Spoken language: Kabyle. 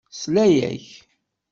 Tesla-ak.